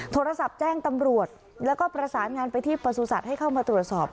โทรศัพท์แจ้งตำรวจแล้วก็ประสานงานไปที่ประสุทธิ์ให้เข้ามาตรวจสอบ